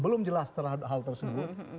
belum jelas terhadap hal tersebut